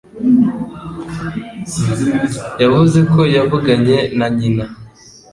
Yavuze ko yavuganye na nyina.